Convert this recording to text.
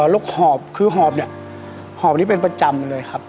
หกคือหอบเนี่ยหอบนี้เป็นประจำเลยครับ